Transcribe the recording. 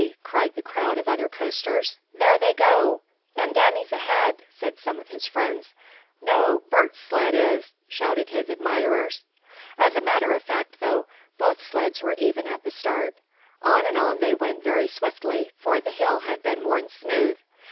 cried the crowd of other coasters. "There they go!" "And Danny's ahead!" said some of his friends. "No, Bert's sled is!" shouted his admirers. As a matter of fact, though, both sleds were even at the start. On and on they went very swiftly, for the hill had been worn smooth.